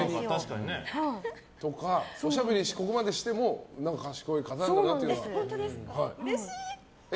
おしゃべり、ここまでしても賢い方なんだなと思いました。